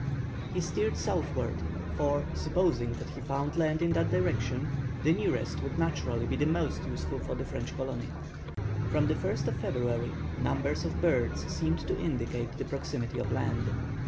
He steered southwards, for, supposing that he found land in that direction, the nearest would naturally be the most useful for the French colony. From the 1st of February, numbers of birds seemed to indicate the proximity of land.